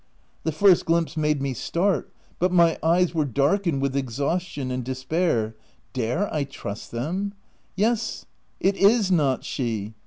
The first glimpse made me start — but my eyes were darkened with exhaustion and despair— dare I trust them ? Yes — it is not she